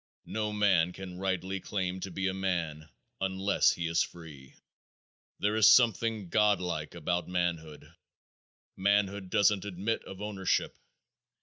No man can rightly claim to be a man unless he is free. There is something godlike about manhood. Manhood doesn't admit of ownership.